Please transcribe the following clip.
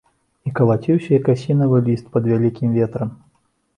І калаціўся як асінавы ліст пад вялікім ветрам.